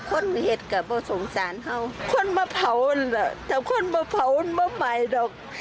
คนมีเหตุก็ไม่สงสารเขาคนมาเผาอันละแต่คนมาเผาอันไม่ไหมหรอก